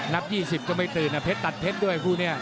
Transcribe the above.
นับ๒๐ก็ไม่ตื่นเพชรตัดเพชรด้วยคู่นี้